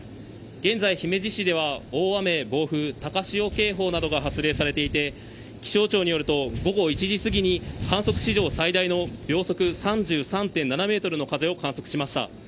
現在、姫路市では大雨・暴風、高潮警報などが発令されていて、気象庁によると午後１時過ぎに観測史上最大の秒速３３．７メートルの風を観測しました。